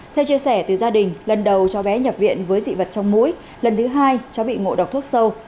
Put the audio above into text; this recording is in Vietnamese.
theo chia sẻ từ gia đình lần đầu cho bé nhập viện với dị vật trong mũi lần thứ hai cháu bị ngộ độc thuốc sâu